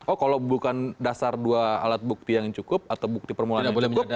oh kalau bukan dasar dua alat bukti yang cukup atau bukti permulaan yang cukup